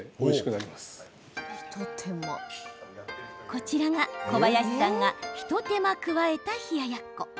こちらが、小林さんがひと手間加えた冷ややっこ。